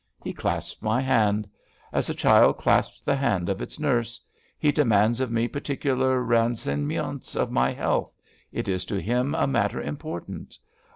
He clasps my hand. As a child clasps the hand of its nurse. He demands of me particular rensignments of my health. It is to him a matter important.